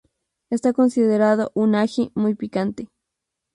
Esta considerado un ají muy picante.